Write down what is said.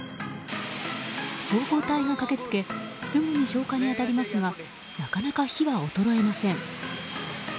消防隊が駆けつけすぐに消火に当たりますがなかなか火は衰えません。